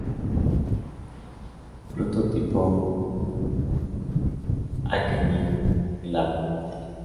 Fruto tipo aquenio, glabro.